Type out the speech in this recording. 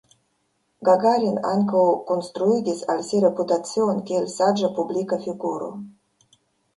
Gagarin ankaŭ konstruigis al si reputacion kiel saĝa publika figuro.